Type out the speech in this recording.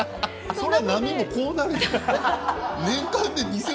そりゃ、波もこうなるよ。